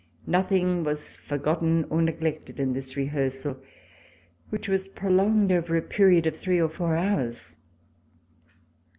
Nothing was forgotten or neglected in this rehearsal, which was prolonged over a period of three or four hours.